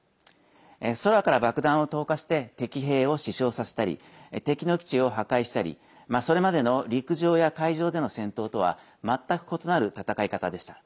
空から爆弾を投下して敵兵を死傷させたり敵の基地を破壊したりそれまでの、陸上や海上での戦闘とは全く異なる戦い方でした。